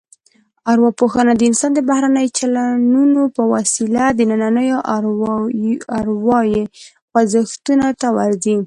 ارواپوهنه د انسان د بهرنیو چلنونو په وسیله دنننیو اروايي خوځښتونو ته ورځي